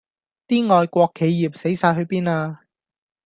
啲愛國企業死哂去邊呀